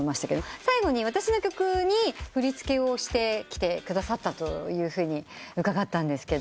最後に私の曲に振り付けをしてきてくださったと伺ったんですけど。